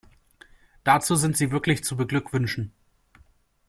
Dazu sind Sie wirklich zu beglückwünschen.